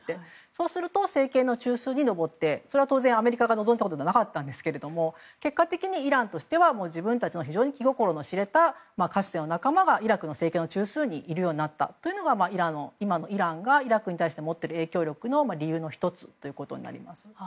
そうすると政権の中枢部に上ってそれは当然アメリカが望んでいたことではなかったですが結果的にイランとしては気心の知れたかつての仲間がイラクの政権の中枢にいるようになったのがイラクに対して持っている理由の１つということになります。